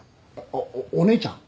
おお姉ちゃん？